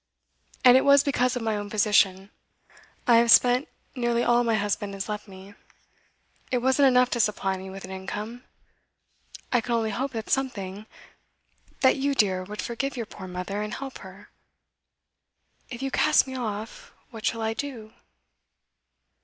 And it was because of my own position. I have spent nearly all my husband left me; it wasn't enough to supply me with an income; I could only hope that something that you, dear, would forgive your poor mother, and help her. If you cast me off, what shall I do?